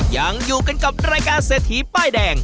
ยังอยู่กันกับรายการเศรษฐีป้ายแดง